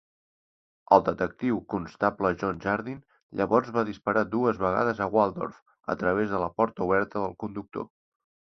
El detectiu Constable John Jardine llavors va disparar dues vegades a Waldorf a través de la porta oberta del conductor.